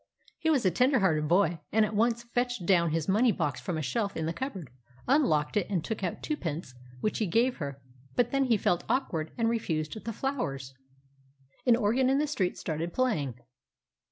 He was a tender hearted boy, and at once fetched down his money box from a shelf in the cupboard, unlocked it, and took out twopence which he gave her; but then he felt awkward and refused the flowers. An organ in the street started playing.